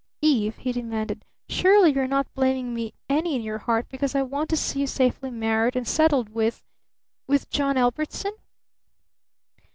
"Eve!" he demanded. "Surely you're not blaming me any in your heart because I want to see you safely married and settled with with John Ellbertson?"